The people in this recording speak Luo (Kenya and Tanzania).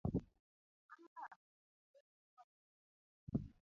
mana ka atho, Naseko nowacho e chunye